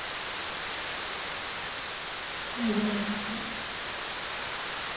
何でもありません。